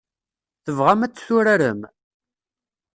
Tebɣam ad t-turarem?